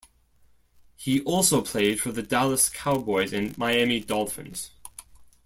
He also played for the Dallas Cowboys and Miami Dolphins.